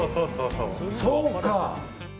そうか。